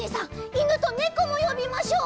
いぬとねこもよびましょう！